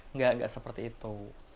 nggak nggak seperti itu